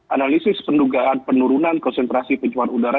analisis pendugaan penurunan konsentrasi pencuan udara